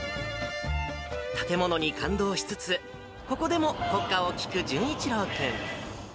建物に感動しつつ、ここでも国歌を聴く淳一郎君。